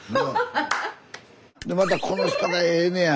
またこの人がええねや。